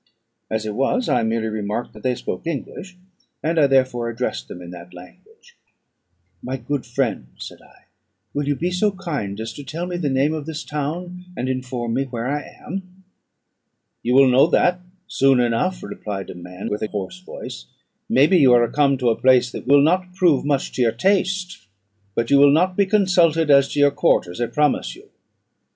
As it was, I merely remarked that they spoke English; and I therefore addressed them in that language: "My good friends," said I, "will you be so kind as to tell me the name of this town, and inform me where I am?" "You will know that soon enough," replied a man with a hoarse voice. "May be you are come to a place that will not prove much to your taste; but you will not be consulted as to your quarters, I promise you."